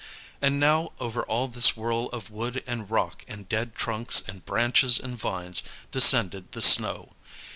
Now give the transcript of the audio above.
And now over all this whirl of wood and rock and dead trunks and branches and vines descended the snow.